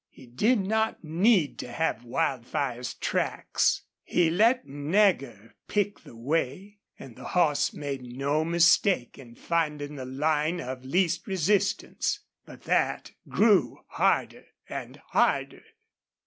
He did not need to have Wildfire's tracks. He let Nagger pick the way, and the horse made no mistake in finding the line of least resistance. But that grew harder and harder.